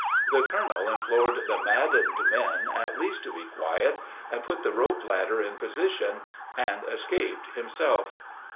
The colonel implored the maddened men at least to be quiet, and put the rope ladder in position and escaped himself.